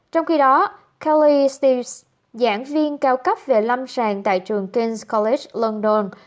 trong khi đó kelly steeves giảng viên cao cấp về lâm sàng tại trường king s college london